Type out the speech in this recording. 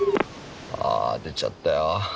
あ出ちゃったよ。